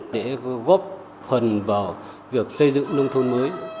để góp phần vào việc xây dựng nông thôn mới